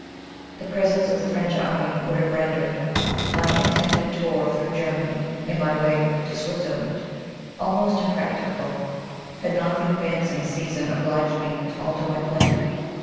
The presence of the French army would have rendered my intended tour through Germany, in my way to Switzerland, almost impracticable, had not the advancing season obliged me to alter my plan.